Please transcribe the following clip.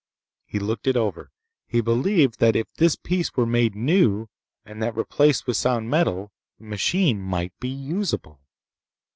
He looked it over. He believed that if this piece were made new, and that replaced with sound metal, the machine might be usable!